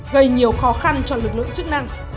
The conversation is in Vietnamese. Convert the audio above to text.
gây nhiều khó khăn cho lực lượng chức năng